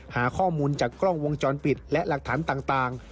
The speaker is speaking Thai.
หาข้อมูลจากกล้องวงจรปิดและหลักฐานต่าง